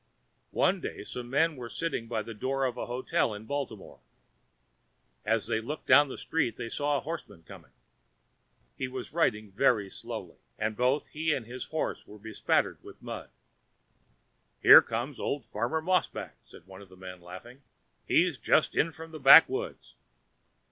One day some men were sitting by the door of a hotel in Baltimore. As they looked down the street they saw a horseman coming. He was riding very slowly, and both he and his horse were bespattered with mud. "There comes old Farmer Mossback," said one of the men, laughing. "He's just in from the backwoods."